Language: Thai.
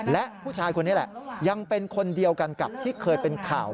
และผู้ชายคนนี้แหละยังเป็นคนเดียวกันกับที่เคยเป็นข่าว